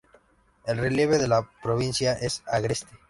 El relieve de la provincia es agreste.